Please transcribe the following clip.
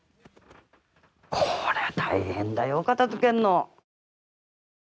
これは大変だよ、片づけるの。